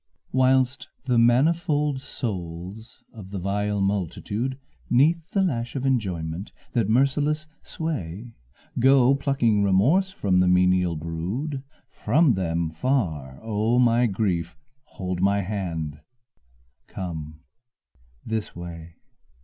Whilst the manifold souls of the vile multitude, 'Neath the lash of enjoyment, that merciless sway, Go plucking remorse from the menial brood, From them far, O my grief, hold my hand, come this way.